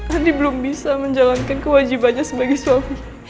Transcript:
adi belum bisa menjalankan kewajibannya sebagai suami